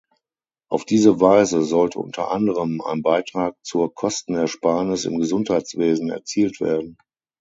Auf diese Weise sollte unter anderem ein Beitrag zur Kostenersparnis im Gesundheitswesen erzielt werden.